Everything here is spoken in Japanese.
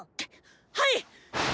はい！